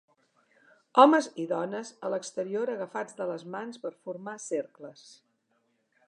Homes i dones a l'exterior agafats de les mans per formar cercles.